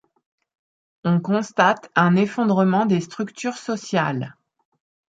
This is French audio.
On constate un effondrement des structures sociales.